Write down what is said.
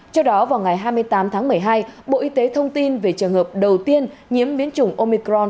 trước đó vào ngày hai mươi tám tháng một mươi hai bộ y tế thông tin về trường hợp đầu tiên nhiễm biến chủng omicron